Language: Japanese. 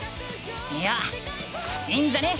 いやいいんじゃね？